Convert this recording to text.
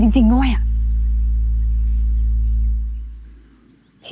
ห่วงเหมือนกันจริงด้วย